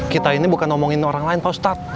kita ini bukan ngomongin orang lain pak ustadz